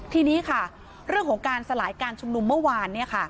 ทีนี้ค่ะเรื่องของการสลายการชุมนุมเมื่อวาน